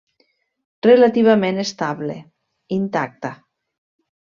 Relativament estable, intacta.